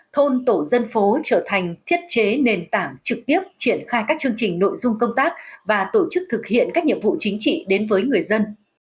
thôn tổ dân phố trở thành thiết chế nền tảng trực tiếp triển khai các chương trình nội dung công tác và tổ chức thực hiện các nhiệm vụ chính trị đến với người dân